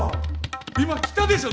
今来たでしょ？